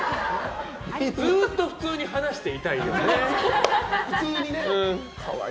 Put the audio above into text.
ずーっと普通に話していたいよね。